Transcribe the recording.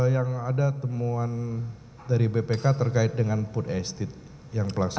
yang ada temuan dari bpk terkait dengan food estate yang pelaksanaan